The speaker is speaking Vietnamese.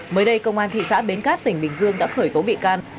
mới đây công an thị xã bến cát tỉnh bình dương đã khởi tố bị can